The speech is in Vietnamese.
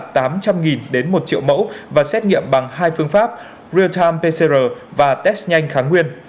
hà nội đã lấy khoảng một triệu mẫu và xét nghiệm bằng hai phương pháp real time pcr và test nhanh kháng nguyên